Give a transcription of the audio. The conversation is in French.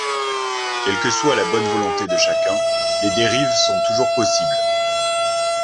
Quelle que soit la bonne volonté de chacun, les dérives sont toujours possibles.